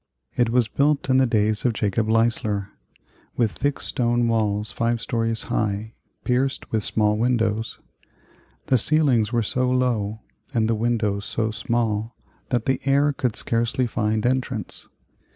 It was built in the days of Jacob Leisler, with thick stone walls five stories high, pierced with small windows. The ceilings were so low and the windows so small that the air could scarcely find entrance.